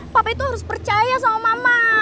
papa itu harus percaya sama mama